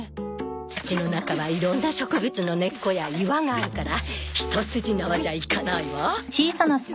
土の中はいろんな植物の根っこや岩があるから一筋縄じゃいかないわ。